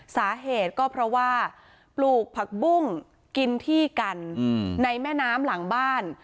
สาเหตุก็เพราะว่าปลูกผักบุ้งกินที่กันในแม่น้ำหลังบ้าน